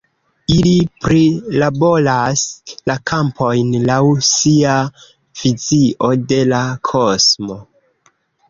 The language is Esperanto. Ili prilaboras la kampojn laŭ sia vizio de la kosmo.